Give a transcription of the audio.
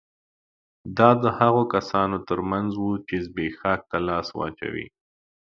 دا د هغو کسانو ترمنځ وو چې زبېښاک ته لاس واچوي